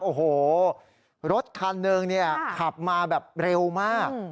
โอ้โหรถคันหนึ่งเนี่ยขับมาแบบเร็วมาก